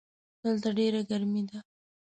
دلته ډېره ګرمي ده.